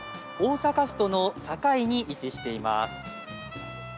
大阪府との境に位置しています。